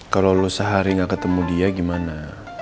kalo lo sehari gak ketemu dia gimana